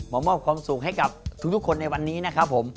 มอบความสุขให้กับทุกคนในวันนี้นะครับผม